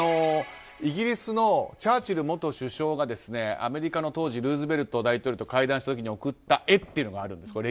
イギリスのチャーチル元首相がアメリカの当時ルーズベルト大統領と会談した時に送った絵というのがあるんです。